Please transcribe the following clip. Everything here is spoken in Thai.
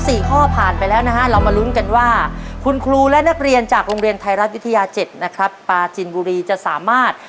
สี่ข้อผ่านไปแล้วนะฮะ